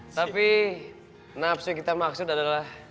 tapi nafsu yang kita maksud adalah